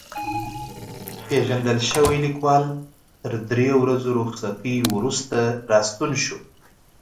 پېژندل شوی لیکوال تر درې ورځو رخصتۍ وروسته راستون شو.